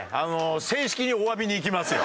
正式におわびに行きますよ。